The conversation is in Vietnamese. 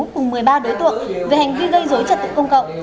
cùng một mươi ba đối tượng về hành vi gây dối trật tự công cộng